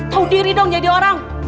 kau diri dong jadi orang